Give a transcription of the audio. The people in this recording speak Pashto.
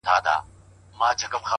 اوس و تاسو ته زامنو انتظار یو!